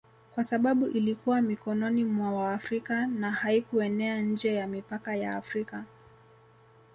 kwa sababu ilikuwa mikononi mwa Waafrika na haikuenea nje ya mipaka ya Afrika